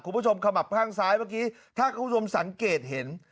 ขมับข้างซ้ายเมื่อกี้ถ้าคุณผู้ชมสังเกตเห็น